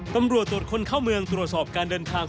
ตำรวจตรวจคนเข้าเมืองตรวจสอบการเดินทาง